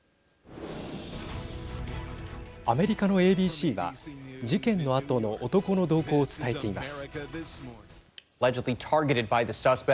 アメリカのＡＢＣは事件のあとの男の動向を伝えています。